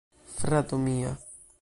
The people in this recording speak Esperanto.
Frato mia..